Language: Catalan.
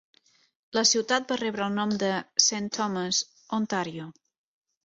La ciutat va rebre el nom de Saint Thomas, Ontario.